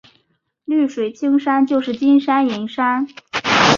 绿水青山就是金山银山